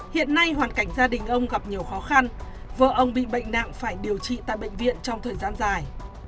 hiện nay hoàn cảnh gia đình ông gặp nhiều khó khăn vợ ông bị bệnh nặng phải điều trị tại bệnh viện trong thời gian dài